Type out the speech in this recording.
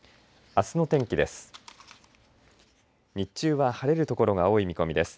あすの天気です。